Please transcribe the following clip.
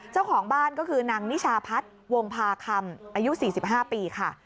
เจ้าของบ้านก็คือนางนิชาพัฒน์วงพาคำอายุ๔๕ปีค่ะ